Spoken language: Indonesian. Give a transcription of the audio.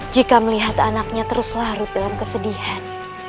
jika melihat anaknya terus larut dalam kesedihan